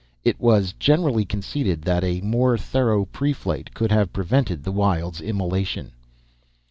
It was generally conceded that a more thorough preflight could have prevented the Wyld's immolation.